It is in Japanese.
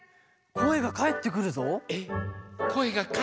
⁉こえがかえってくるぞ。